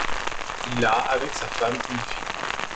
Il a, avec sa femme, une fille.